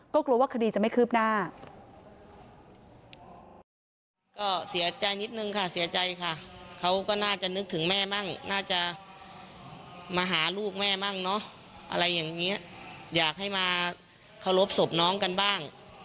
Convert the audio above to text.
ก็กลัวว่าคดีจะไม่คืบหน้า